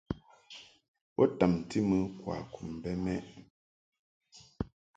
Bo tamti mɨ kwakum bɛ mɛʼ.